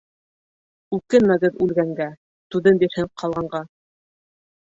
Үкенмәгеҙ үлгәнгә, түҙем бирһен ҡалғанға.